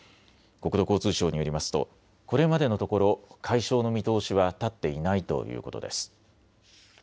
国土交通省によりますとこれまでのところ解消の見通しは立っていないということです。